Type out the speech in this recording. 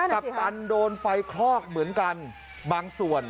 ปัปตันโดนไฟคลอกเหมือนกันบางส่วน